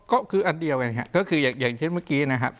ก็คืออันเดียวกันครับก็คืออย่างเช่นเมื่อกี้นะครับ